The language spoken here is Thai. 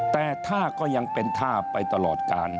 แต่ท่าก็ยังเป็นท่าไปตลอดกาล